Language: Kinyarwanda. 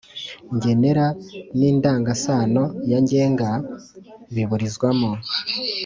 ngenera n’indangasano ya ngenga biburizwamo